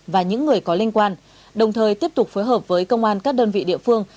và những người có liên quan đồng thời tiếp tục phối hợp với công an các đơn vị địa phương